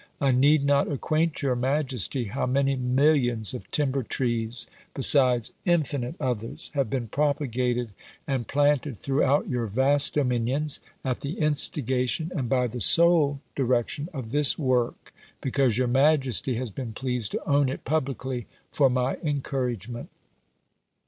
"I need not acquaint your majesty, how many millions of timber trees, besides infinite others, have been propagated and planted throughout your vast dominions, at the instigation and by the sole direction of this work, because your majesty has been pleased to own it publicly for my encouragement."